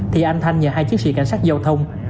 thì anh thanh nhờ hai chiếc xe cảnh sát giao thông